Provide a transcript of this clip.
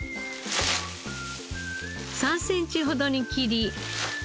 ３センチほどに切り。